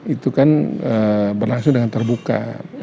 itu kan berlangsung dengan terbuka